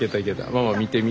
ママ見てみ。